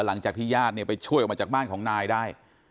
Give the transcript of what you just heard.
หลังจากที่ญาติเนี่ยไปช่วยออกมาจากบ้านของนายได้